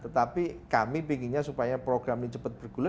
tetapi kami inginnya supaya program ini cepat bergulir